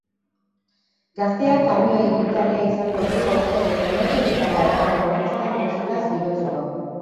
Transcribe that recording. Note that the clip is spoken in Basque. Gazteak kamioi ibiltaria izango du aurten eta inauterietara eramango festa musikaz girotzeko.